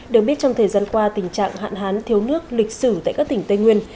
được biết trong thời gian qua tình trạng hạn hán thiếu nước lịch sử tại các tỉnh tây nguyên